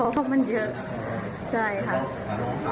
เพราะมันเยอะใช่ค่ะ